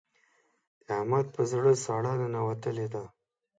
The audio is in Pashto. د احمد په زړه ساړه ننوتلې ده.